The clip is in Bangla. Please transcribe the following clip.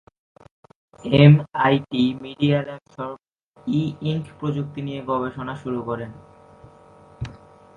এমআইটি মিডিয়া ল্যাব সর্বপ্রথম ই-ইঙ্ক প্রযুক্তি নিয়ে গবেষণা শুরু করে।